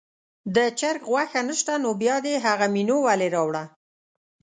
د چرګ غوښه نه شته نو بیا دې هغه مینو ولې راوړله.